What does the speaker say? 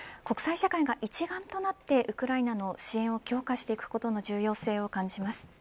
国際社会が一丸となってウクライナの支援を強化していくことの重要性を感じます。